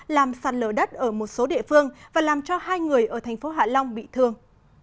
làm sạt lở đất ở một số địa phương và làm cho hai người ở thành phố hạ long bị thương